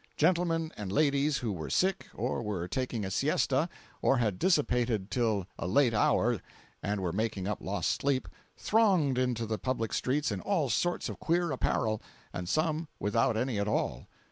Gentlemen and ladies who were sick, or were taking a siesta, or had dissipated till a late hour and were making up lost sleep, thronged into the public streets in all sorts of queer apparel, and some without any at all.